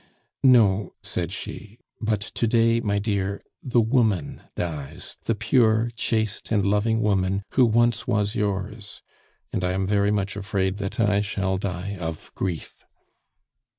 "No," said she. "But to day, my dear, the woman dies, the pure, chaste, and loving woman who once was yours. And I am very much afraid that I shall die of grief."